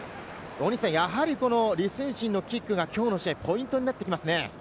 やはり李承信のキックはきょうの試合、ポイントになってきますね。